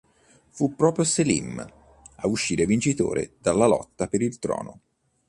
Fu proprio Selim a uscire vincitore dalla lotta per il trono.